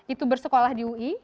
itu bersekolah di ui